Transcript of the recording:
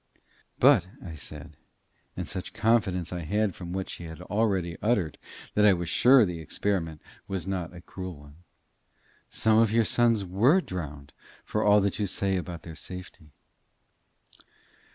"But," I said and such confidence I had from what she had already uttered, that I was sure the experiment was not a cruel one "some of your sons were drowned for all that you say about their safety."